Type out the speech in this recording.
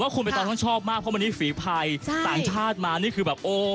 คุณไปตอนต้องชอบมากเพราะวันนี้ฝีภัยต่างชาติมานี่คือแบบโอ้